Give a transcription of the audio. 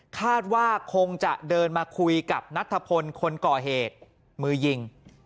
คาดว่าคงจะเดินมาคุยกับนัทพลคนก่อเหตุมือยิง